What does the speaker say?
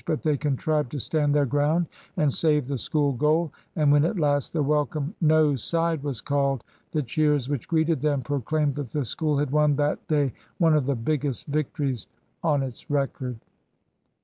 But they contrived to stand their ground and save the School goal. And when at last the welcome "No side" was called, the cheers which greeted them proclaimed that the School had won that day one of the biggest victories on its record.